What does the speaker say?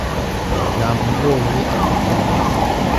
Namubonye atukwa na nyina.